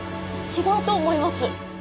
違うと思います。